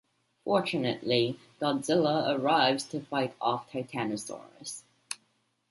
Fortunately, Godzilla arrives to fight off Titanosaurus.